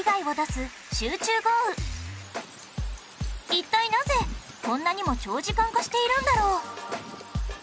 一体なぜこんなにも長時間化しているんだろう？